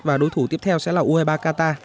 hôm tiếp theo sẽ là u hai mươi ba qatar